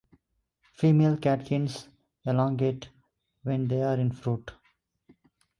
Female catkins elongate when they are in fruit.